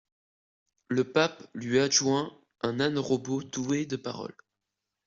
Le pape lui adjoint un âne-robot doué de parole.